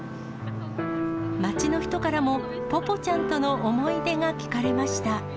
街の人からも、ぽぽちゃんとの思い出が聞かれました。